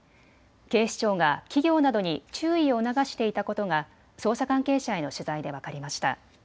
警視庁が企業などに注意を促していたことが捜査関係者への取材で分かりました。